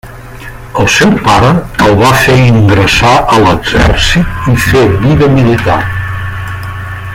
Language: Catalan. El seu pare el va fer ingressar a l'exèrcit i fer vida militar.